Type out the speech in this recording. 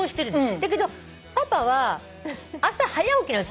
だけどパパは朝早起きなんです。